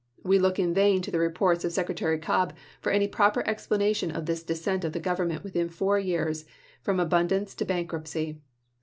We look in vain in the reports of Secretary Cobb for any proper explanation of this descent of the Government within four years from abundance to bankruptcy.